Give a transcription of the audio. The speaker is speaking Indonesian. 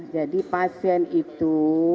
jadi pasien itu